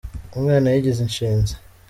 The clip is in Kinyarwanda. Umwana yigize inshinzi.